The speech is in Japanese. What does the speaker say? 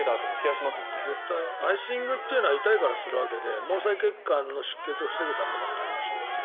アイシングっていうのは痛いからするわけで毛細血管の出血を防ぐためだから。